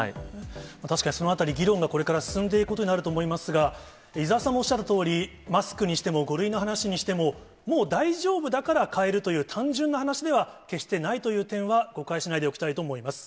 確かにそのあたり、議論がこれから進んでいくことになると思いますが、伊沢さんもおっしゃるとおり、マスクにしても、５類の話にしても、もう大丈夫だからかえるという単純な話では決してないという点は、誤解しないでおきたいと思います。